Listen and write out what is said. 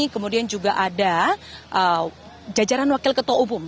kemudian juga ada jajaran wakil ketua umum